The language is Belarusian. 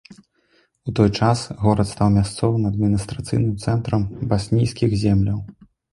У той час горад стаў мясцовым адміністрацыйным цэнтрам баснійскіх земляў.